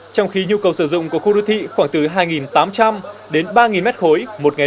trong khi nhu cầu sử dụng của khu đô thị khoảng từ hai tám trăm linh đến ba m khối